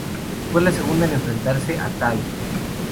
Fue la segunda en enfrentarse a Tai.